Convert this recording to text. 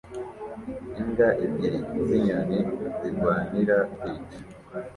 Imbwa ebyiri zinyoni zirwanira kwica